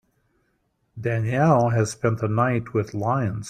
Danielle has spent the night with lions.